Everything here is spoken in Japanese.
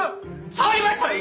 触りましたね